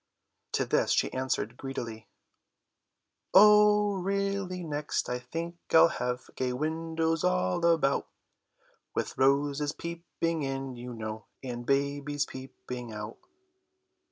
To this she answered greedily: "Oh, really next I think I'll have Gay windows all about, With roses peeping in, you know, And babies peeping out."